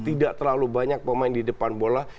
tidak terlalu banyak pemain di depan bola